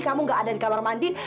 kamu gak ada di kamar mandi